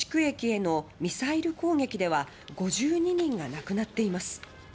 駅へのミサイル攻撃では５２人が亡くなっています。